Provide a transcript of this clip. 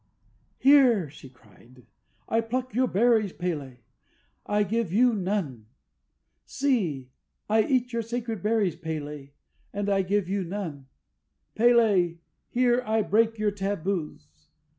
"Here," she cried, "I pluck your berries, P├®l├®, and I give you none! See! I eat your sacred berries, P├®l├®, and I give you none! P├®l├®, here I break your tabus!